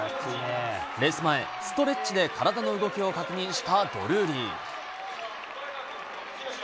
レース前、ストレッチで体の動きを確認したドルーリー。